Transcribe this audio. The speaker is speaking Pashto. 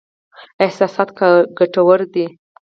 احساسات ګټور دي.